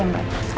kau mau kan